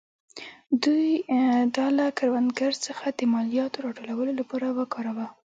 دوی دا له کروندګرو څخه د مالیاتو راټولولو لپاره وکاراوه.